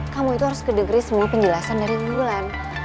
kamu itu harus kedengerin semua penjelasan dari wulan